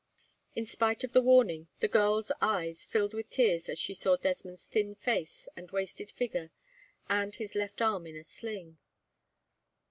In spite of the warning, the girl's eyes filled with tears as she saw Desmond's thin face and wasted figure, and his left arm in a sling.